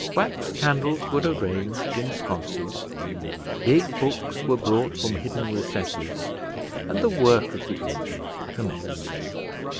Wax candles were arranged in sconces, big books were brought from hidden recesses, and the work of the evening commenced.